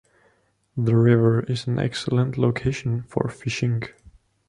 The river is an excellent location for fishing.